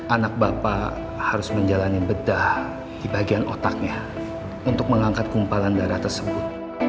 anak bapak harus menjalani bedah di bagian otaknya untuk mengangkat kumpalan darah tersebut